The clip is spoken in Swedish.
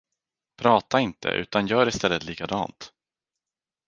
Prata inte, utan gör istället likadant!